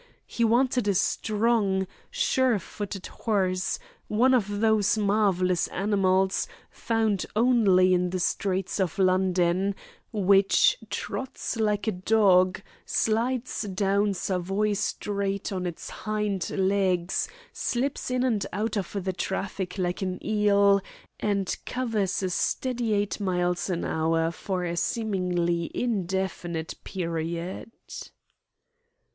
He wanted a strong, sure footed horse, one of those marvellous animals, found only in the streets of London, which trots like a dog, slides down Savoy Street on its hind legs, slips in and out among the traffic like an eel, and covers a steady eight miles an hour for a seemingly indefinite period.